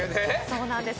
そうなんです。